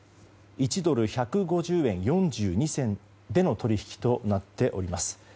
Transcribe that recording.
１ドル＝１５０円４２銭での取引となっております。